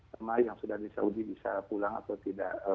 sama yang sudah di saudi bisa pulang atau tidak